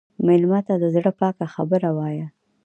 مېلمه ته د زړه پاکه خبره وایه.